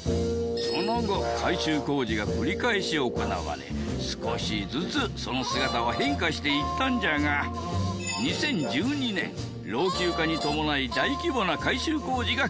その後改修工事が繰り返し行われ少しずつその姿は変化していったんじゃが２０１２年老朽化に伴い大規模な改修工事が決定。